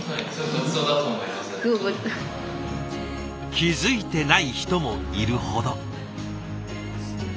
気付いてない人もいるほど。